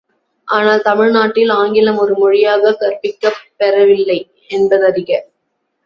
ஆனால் தமிழ்நாட்டில் ஆங்கிலம் ஒரு மொழியாகக் கற்பிக்கப் பெறவில்லை என்பதறிக!